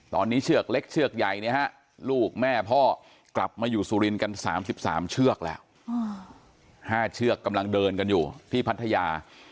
ตอนนี้เชือกเล็กเชือกใหญ่เนี่ยฮะลูกแม่พ่อกลับมาอยู่สุรินทร์กัน๓๓เชือกแล้ว๕เชือกกำลังเดินกันอยู่ที่พัทยา